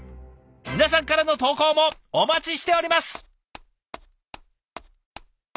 皆さんからの投稿もお待ちしております。